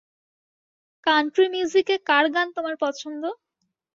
Country মিউজিকে কার গান তোমার পছন্দ?